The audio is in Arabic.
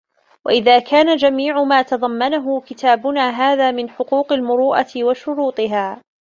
وَإِنْ كَانَ جَمِيعُ مَا تَضَمَّنَهُ كِتَابُنَا هَذَا مِنْ حُقُوقِ الْمُرُوءَةِ وَشُرُوطِهَا